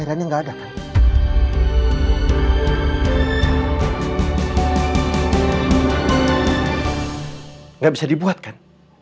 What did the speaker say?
gimana dia sekolah